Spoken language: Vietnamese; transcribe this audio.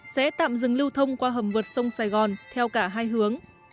sẽ tạm dừng lưu thông qua hầm vượt sông sài gòn theo cả hai hướng